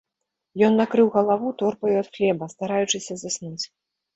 Ён накрыў галаву торбаю ад хлеба, стараючыся заснуць.